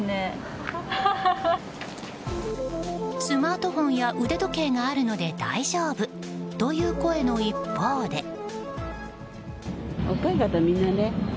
スマートフォンや腕時計があるので大丈夫という声の一方で。